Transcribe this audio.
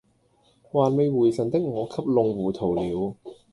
還沒回神的我給弄糊塗了